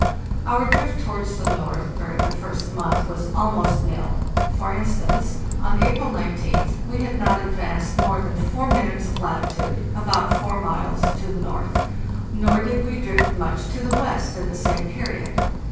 Our drift towards the north during the first month was al most nil. For instance, on April 19th we had not advanced more than 4 minutes of latitude (about 4 miles) to the north. Nor did we drift much to the west in the same period.